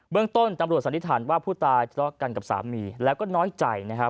เบื้องต้นนับโหลสันิทานว่าผู้ตายจะทั้งกับสามีและน้อยใจ